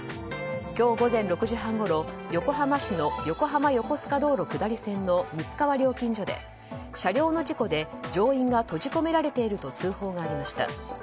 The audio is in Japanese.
今日午前６時半ごろ横浜市の横浜横須賀線道路下り線の六ッ川料金所で車両の事故で乗員が閉じ込められていると通報がありました。